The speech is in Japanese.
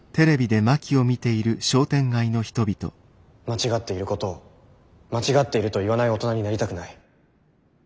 間違っていることを間違っていると言わない大人になりたくない。